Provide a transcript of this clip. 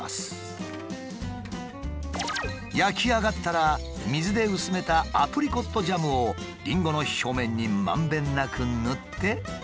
焼き上がったら水で薄めたアプリコットジャムをりんごの表面にまんべんなく塗って完成です。